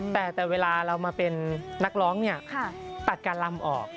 แต่เวลาเรามาเป็นนักร้องเนี่ยตัดการลำออก